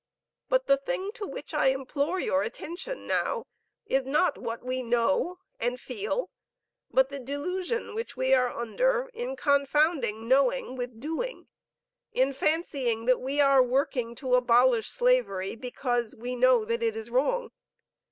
But the thing to which I implore your attention now, is, not what we know and feel, but the delusion which we are under, in confounding knowing with doing, in fancying that we are working to abolish Slavery because we know that it is wrong.